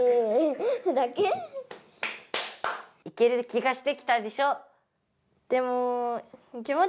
いける気がしてきたでしょ？